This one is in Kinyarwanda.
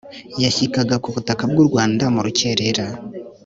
yashyikaga kubutaka bw’u rwanda murucyerera